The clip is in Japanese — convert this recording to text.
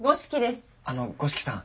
あの五色さん。